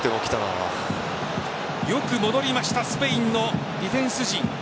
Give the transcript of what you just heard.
よく戻りましたスペインのディフェンス陣。